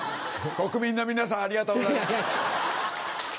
国民の皆さん、ありがとうございます。